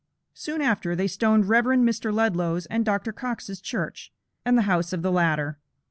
Soon after, they stoned Rev. Mr. Ludlow's, and Dr. Cox's church, and the house of the latter.